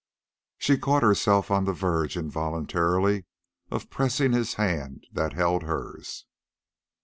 She caught herself on the verge involuntarily of pressing his hand that held hers.